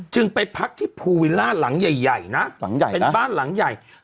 จึงไปพักที่ภูวิล่าหลังใหญ่นะเป็นบ้านหลังใหญ่